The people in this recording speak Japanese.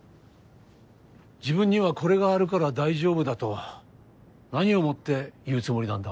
自分にはこれがあるから大丈夫だと何をもって言うつもりなんだ。